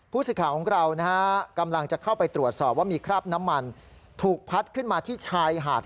สิทธิ์ของเรากำลังจะเข้าไปตรวจสอบว่ามีคราบน้ำมันถูกพัดขึ้นมาที่ชายหาด